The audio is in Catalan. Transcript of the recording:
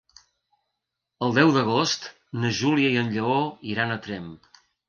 El deu d'agost na Júlia i en Lleó iran a Tremp.